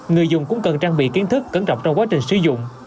người dùng cũng cần trang bị kiến thức cẩn trọng trong quá trình sử dụng